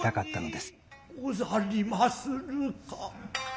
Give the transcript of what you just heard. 御用にござりまするか。